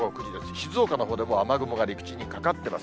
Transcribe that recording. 静岡のほうでもう雨雲が陸地にかかっています。